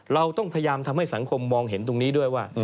เราต้องพยายามทำให้สังคมมองเห็นตรงนี้ด้วยว่า